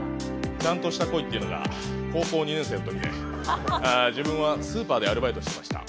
ちゃんとした恋というのが高校２年生のときで自分はスーパーでアルバイトしてました。